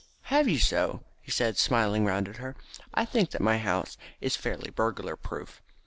"Have you so?" said he, smiling round at her. "I think that my house is fairly burglar proof.